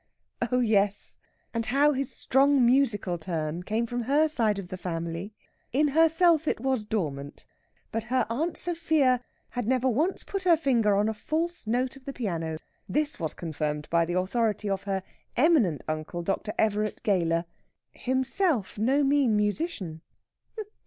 "Oh yes! And how his strong musical turn came from her side of the family. In herself it was dormant. But her Aunt Sophia had never once put her finger on a false note of the piano. This was confirmed by the authority of her eminent uncle, Dr. Everett Gayler, himself no mean musician."